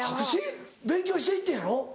勉強していってんやろ？